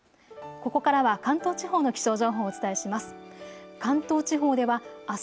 ここからは関東地方の気象情報をお伝えします。